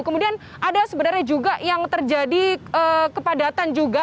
kemudian ada sebenarnya juga yang terjadi kepadatan juga